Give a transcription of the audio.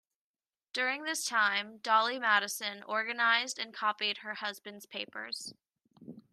During this time, Dolley Madison organized and copied her husband's papers.